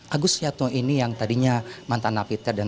agus wiatno ini yang tadinya mantan napiter dan terhubung